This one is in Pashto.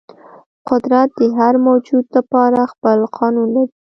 قدرت د هر موجود لپاره خپل قانون لري.